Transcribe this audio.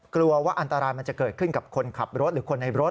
กลัวว่าอันตรายมันจะเกิดขึ้นกับคนขับรถหรือคนในรถ